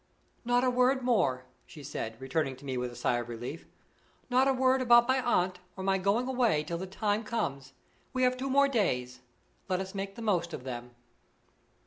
"Not a word more," she said, returning to me with a sigh of relief "not a word about my aunt or my going away till the time comes. We have two more days; let us make the most of them."